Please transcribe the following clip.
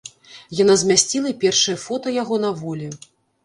Яна змясціла і першае фота яго на волі.